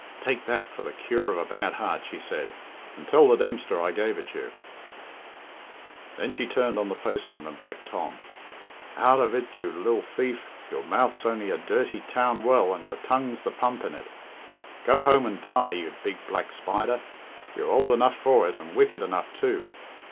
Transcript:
"Take that for the cure of a bad heart," she said, "and tell the Dempster I gave it you." Then she turned on the postman and Black Tom. "Out of it, you lil thief, your mouth's only a dirty town well and your tongue's the pump in it. Go home and die, you big black spider you're ould enough for it and wicked enough, too.